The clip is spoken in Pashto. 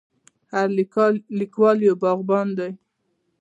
هر لیکوال یو باغوان دی.